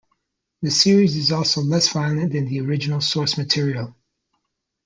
The series is also less violent than the original source material.